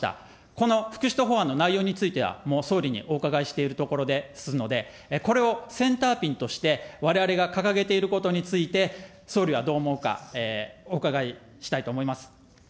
この副首都法案を内容については、もう、総理にお伺いしているところですので、これをセンターピンとしてわれわれが掲げていることについて、総理はどう思うか、お伺いしたいと思います。